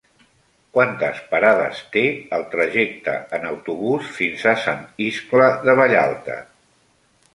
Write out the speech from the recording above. Quantes parades té el trajecte en autobús fins a Sant Iscle de Vallalta?